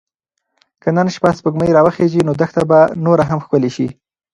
که نن شپه سپوږمۍ راوخیژي نو دښته به نوره هم ښکلې شي.